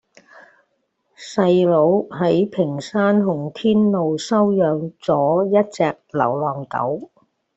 細佬喺屏山洪天路收養左一隻流浪狗